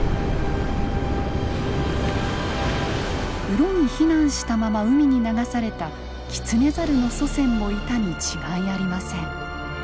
うろに避難したまま海に流されたキツネザルの祖先もいたに違いありません。